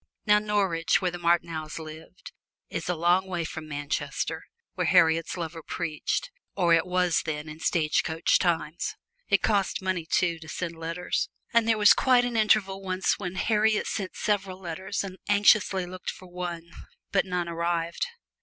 Now Norwich, where the Martineaus lived, is a long way from Manchester, where Harriet's lover preached, or it was then, in stagecoach times. It cost money, too, to send letters. And there was quite an interval once when Harriet sent several letters, and anxiously looked for one; but none arrived.